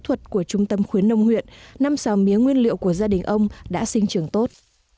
trong năm trước của trung tâm khuyến nông huyện năm xào mía nguyên liệu của gia đình ông đã sinh trưởng tốt